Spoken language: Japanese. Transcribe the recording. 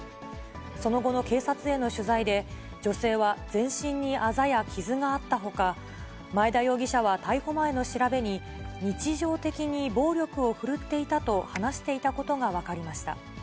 その後の警察への取材で、女性は全身にあざや傷があったほか、前田容疑者は逮捕前の調べに、日常的に暴力を振るっていたと話していたことが分かりました。